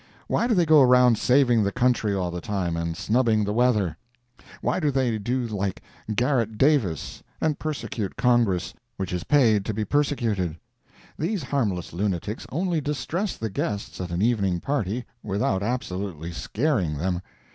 Why do they go around saving the country all the time, and snubbing the weather? Why do not they do like Garret Davis, and persecute Congress, which is paid to be persecuted? These harmless lunatics only distress the guests at an evening party, without absolutely scaring them.